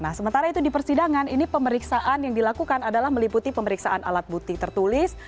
nah sementara itu di persidangan ini pemeriksaan yang dilakukan adalah meliputi pemeriksaan alat bukti tertulis